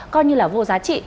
coi như là vô giá trị